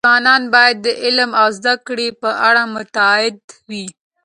ځوانان باید د علم او زده کړې په اړه متعهد وي.